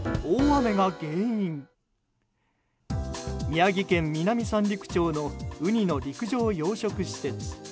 宮城県南三陸町のウニの陸上養殖施設。